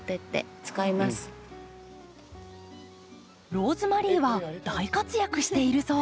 ローズマリーは大活躍しているそう。